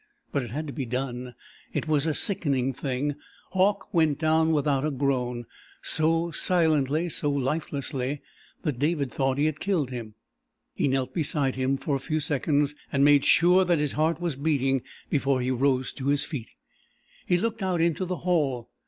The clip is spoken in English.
But it had to be done. It was a sickening thing. Hauck went down without a groan so silently, so lifelessly that David thought he had killed him. He knelt beside him for a few seconds and made sure that his heart was beating before he rose to his feet. He looked out into the hall.